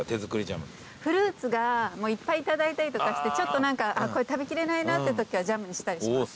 フルーツがもういっぱい頂いたりとかしてちょっと何かこれ食べきれないなってときはジャムにしたりします。